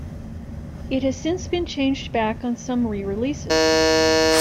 It has since been changed back on some re-releases.